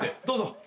どうぞ。